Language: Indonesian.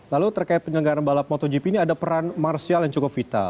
lalu terkait penyelenggaran balap motogp ini ada peran marsial yang cukup vital